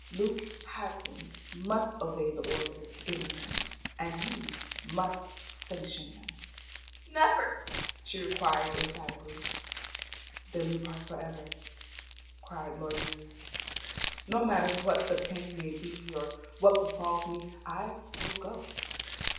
Luke Hatton must obey the orders given him. And you must sanction them." "Never!" she exclaimed, emphatically. "Then we part for ever," cried Lord Roos. "No matter what the pang may be nor what befals me I will go.